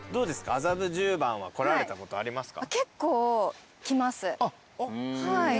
麻布十番は来られたことありますか？